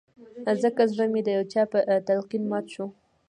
ځکه زړه مې د يو چا په تلقين مات شو